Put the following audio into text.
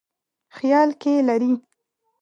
خیال کې لري.